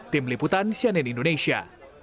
tim liputan cnn indonesia